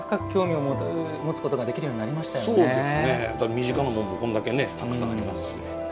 身近なもんもこんだけねたくさんありますしね。